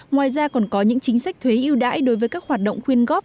ngoài ra còn có những chính sách thuế yêu đãi đối với các hoạt động khuyên góp